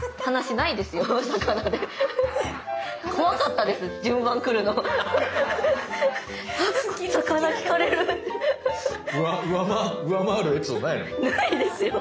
ないですよ。